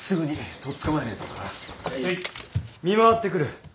見回ってくる。